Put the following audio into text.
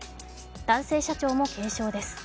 男性社長も軽傷です。